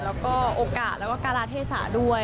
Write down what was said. แล้วก็โอกาสแล้วก็การาเทศะด้วย